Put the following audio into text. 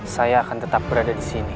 saya akan tetap berada disini